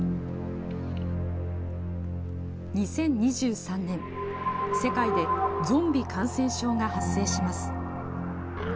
２０２３年、世界でゾンビ感染症が発生します。